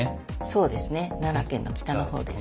そうですね奈良県の北の方です。